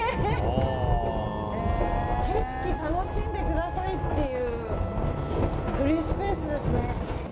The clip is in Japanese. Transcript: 景色楽しんでくださいっていうフリースペースですね。